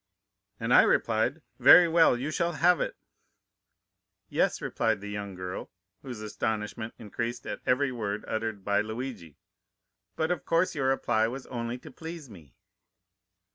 "'And I replied, "Very well, you shall have it."' "'Yes,' replied the young girl, whose astonishment increased at every word uttered by Luigi, 'but of course your reply was only to please me.